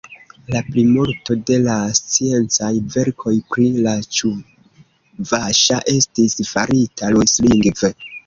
La plimulto de la sciencaj verkoj pri la ĉuvaŝa estis farita ruslingve.